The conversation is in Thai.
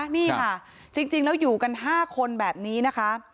นี่ค่ะจริงแล้วอยู่กัน๕คนแบบนี้นะคะ